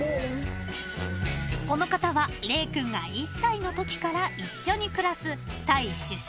［この方はれい君が１歳のときから一緒に暮らすタイ出身］